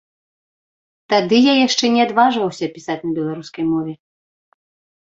Тады я яшчэ не адважваўся пісаць на беларускай мове.